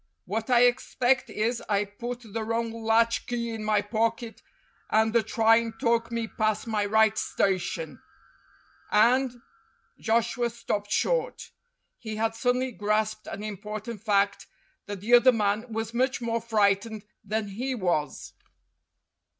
What I expect is I put the wrong latch key in my pocket 274 STORIES WITHOUT TEARS and the trine took me past my right station, and " Joshua stopped short. He had suddenly grasped an important fact that the other man was much more frightened than he was.